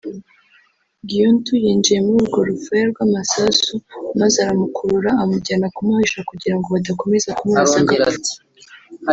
Giunta yinjiye muri urwo rufaya rw’amasasu maze aramukurura amujyana kumuhisha kugirango badakomeza kumurasa agapfa